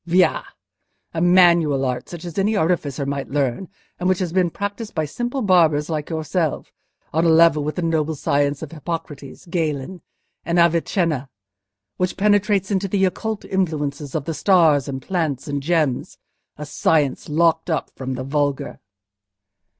Via! A manual art, such as any artificer might learn, and which has been practised by simple barbers like yourself—on a level with the noble science of Hippocrates, Galen, and Avicenna, which penetrates into the occult influences of the stars and plants and gems!—a science locked up from the vulgar!"